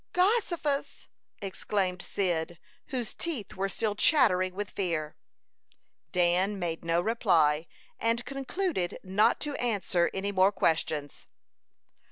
"Gossifus!" exclaimed Cyd, whose teeth were still chattering with fear. Dan made no reply, and concluded not to answer any more questions.